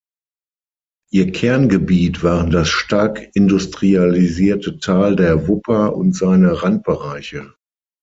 Ihr Kerngebiet waren das stark industrialisierte Tal der Wupper und seine Randbereiche.